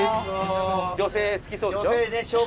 女性好きそうでしょ？